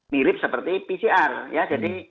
mirip seperti pcr jadi